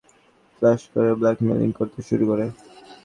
অন্তরঙ্গ কিছু ছবি, ভিডিও ক্লিপস ফাঁস করার ব্ল্যাকমেলিং করতে শুরু করে।